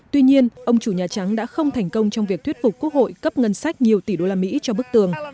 tuy nhiên ông chủ nhà trắng đã không thành công trong việc thuyết phục quốc hội cấp ngân sách nhiều tỷ đô la mỹ cho bức tường